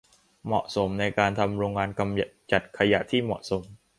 เหมาะสมในการทำโรงงานกำจัดขยะที่เหมาะสม